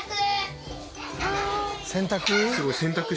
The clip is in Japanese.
洗濯？